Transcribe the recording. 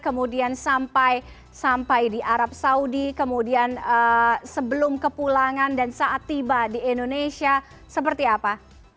kemudian sampai di arab saudi kemudian sebelum kepulangan dan saat tiba di indonesia seperti apa